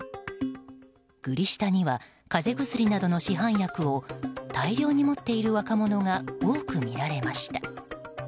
グリ下には風邪薬などの市販薬を大量に持っている若者が多く見られました。